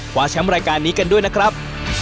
แชมป์รายการนี้กันด้วยนะครับ